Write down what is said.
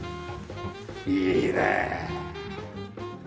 いいね。